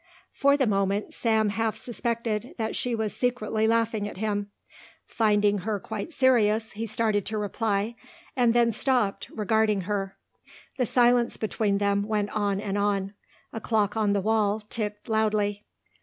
For the moment Sam half suspected that she was secretly laughing at him. Finding her quite serious he started to reply and then stopped, regarding her. The silence between them went on and on. A clock on the wall ticked loudly.